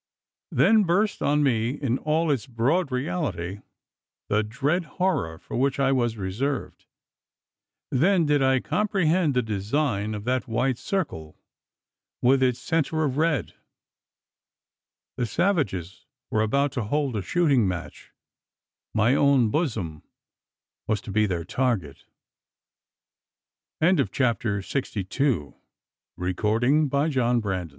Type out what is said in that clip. Then burst on me in all its broad reality the dread horror for which I was reserved then did I comprehend the design of that white circle with its centre of red: the savages were about to hold a shooting match my own bosom was to be their target! CHAPTER SIXTY THREE. A PITILESS PASTIME. Yes to hold a shoo